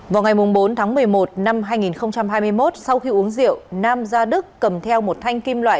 vào ngày bốn tháng một mươi một năm hai nghìn hai mươi một sau khi uống rượu nam ra đức cầm theo một thanh kim loại